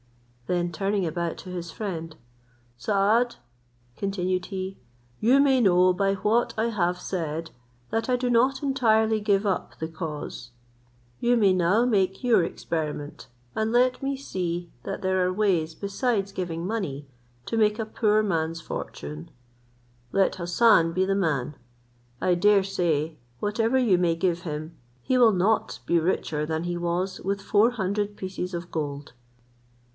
Then turning about to his friend, "Saad," continued he, "you may know by what I have said that I do not entirely give up the cause. You may now make your experiment, and let me see that there are ways, besides giving money, to make a poor man's fortune. Let Hassan be the man. I dare say, whatever you may give him he will not be richer than he was with four hundred pieces of gold."